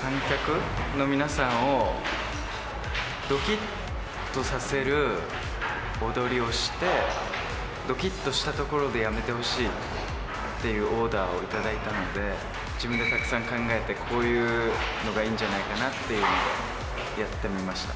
観客の皆さんを、どきっとさせる踊りをして、どきっとしたところで、やめてほしいっていうオーダーを頂いたので、自分でたくさん考えて、こういうのがいいんじゃないかなっていうのをやってみました。